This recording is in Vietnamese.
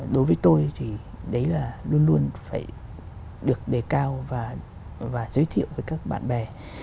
đối với tôi thì đấy là luôn luôn phải được đề cao và giới thiệu với các bạn bè